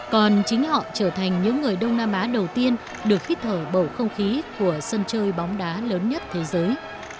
còn chính họ trở thành những người đông nam á đầu tiên được hít thở bầu không khí của sân chơi bóng đá lớn nhất thế giới